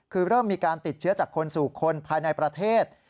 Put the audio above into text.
คือเริ่มมีการติดเชื้อจากคนสู่คนภายในประเทศ